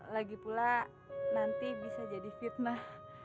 lagi pula nanti bisa jadi fitnah